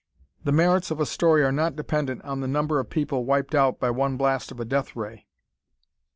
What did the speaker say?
The merits of a story are not dependent on the number of people wiped out by one blast of a death ray!